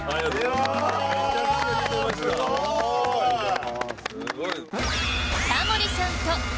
わすごい！